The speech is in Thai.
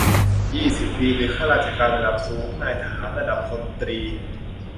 ยี่สิบ ปี หรือ ข้าราชการระดับสูง นายทหารระดับพลตรี